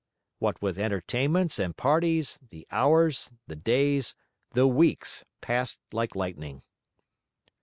What with entertainments and parties, the hours, the days, the weeks passed like lightning.